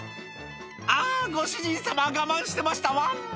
「あご主人様我慢してましたワン！」